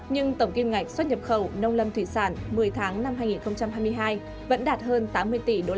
nhưng tổng kim ngạch xuất nhập khẩu nông lâm thủy sản một mươi tháng năm hai nghìn hai mươi hai vẫn đạt hơn tám mươi tỷ usd